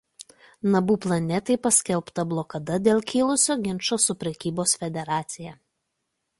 Nabu planetai paskelbta blokada dėl kilusio ginčo su Prekybos federacija.